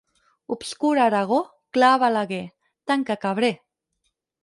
Obscur a Aragó, clar a Balaguer: tanca, cabrer!